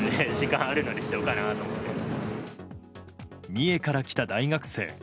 三重から来た大学生。